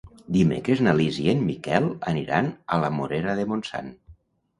Dimecres na Lis i en Miquel aniran a la Morera de Montsant.